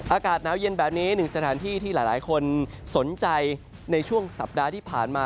อากาศหนาวเย็นแบบนี้หนึ่งสถานที่ที่หลายคนสนใจในช่วงสัปดาห์ที่ผ่านมา